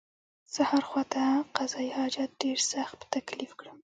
سهار خواته قضای حاجت ډېر سخت په تکلیف کړم.